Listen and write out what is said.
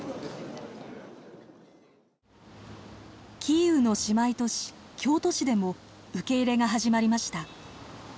キーウの姉妹都市京都市でも受け入れが始まりました。